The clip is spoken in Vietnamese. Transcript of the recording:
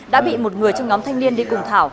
đã bị một người trong nhóm thanh niên đi cùng thảo